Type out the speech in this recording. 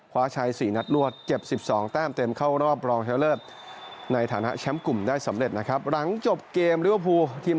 คว้าชาย๔นัดรวดเจ็บ๑๒แต้มเต็มเข้ารอบรองเฉลิฟ